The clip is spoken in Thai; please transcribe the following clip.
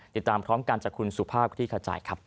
ติดตามพร้อมกันจากคุณสุภาพคลี่ขจายครับ